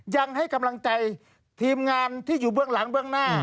ยังให้กำลังใจทีมงานที่อยู่เบื้องหลังเบื้องหน้า